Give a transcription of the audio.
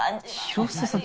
広沢さん